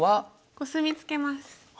コスミツケます。